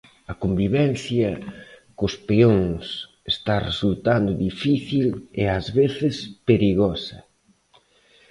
A convivencia cos peóns está resultando difícil e ás veces perigosa.